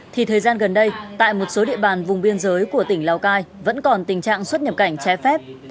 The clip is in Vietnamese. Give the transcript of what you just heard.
thì thời gian gần đây tại một số địa bàn vùng biên giới của tỉnh lào cai vẫn còn tình trạng xuất nhập cảnh trái phép